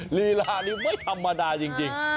หลีระที่นี้ไม่ธรรมดาจริง